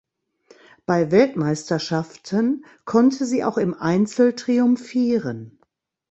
Bei Weltmeisterschaften konnte sie auch im Einzel triumphieren.